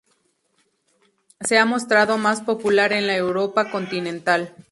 Se ha mostrado más popular en la Europa continental.